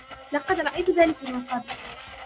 لقد رأيت ذلك من قبل.